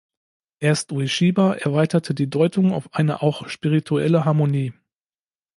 Erst Ueshiba erweiterte die Deutung auf eine auch spirituelle Harmonie.